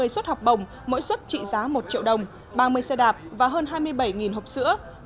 ba mươi suất học bồng mỗi suất trị giá một triệu đồng ba mươi xe đạp và hơn hai mươi bảy học sinh